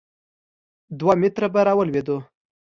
دوه متره به راولوېدو.